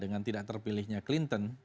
dengan tidak terpilihnya clinton